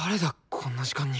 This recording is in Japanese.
こんな時間に。